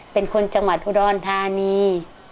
เป็นคนจังหวัดอุดรธานี